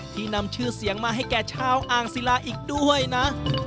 นำชื่อเสียงมาให้แก่ชาวอ่างศิลาอีกด้วยนะ